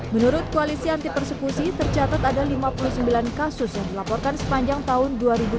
menurut koalisi anti persekusi tercatat ada lima puluh sembilan kasus yang dilaporkan sepanjang tahun dua ribu dua puluh